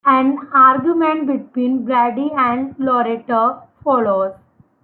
An argument between Brady and Loretta follows.